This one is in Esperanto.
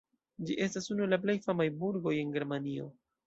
Ĝi estas unu el la plej famaj burgoj en Germanio.